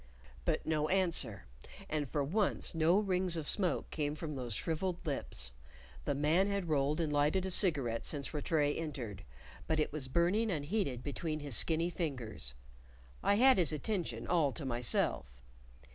But no answer, and for once no rings of smoke came from those shrivelled lips: the man had rolled and lighted a cigarette since Rattray entered, but it was burning unheeded between his skinny fingers. I had his attention, all to myself.